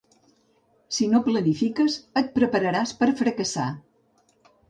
Si no planifiques, et prepararàs per fracassar.